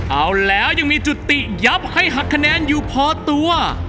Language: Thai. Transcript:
เอาแล้วยังมีจุติยับให้หักคะแนนอยู่พอตัว